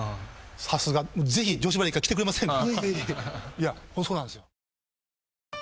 さすがぜひ女子バレー一回来てくれませんか？